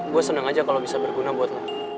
gue seneng aja kalo bisa berguna buat